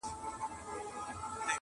له رویباره مي پوښتمه محلونه د یارانو!.